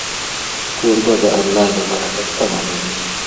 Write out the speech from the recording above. کوربه د الله د برکت تمه لري.